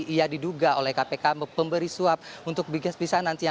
ya diduga oleh kpk pemberi suap untuk bisnis bisnisan nantinya